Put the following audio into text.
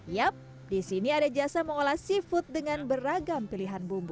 yap di sini ada jasa mengolah seafood dengan beragam pilihan bumbu